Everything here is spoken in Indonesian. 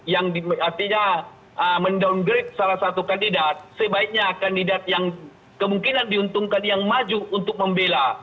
yang artinya mendowngrade salah satu kandidat sebaiknya kandidat yang kemungkinan diuntungkan yang maju untuk membela